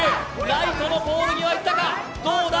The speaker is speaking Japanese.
ライトのポール際いったか？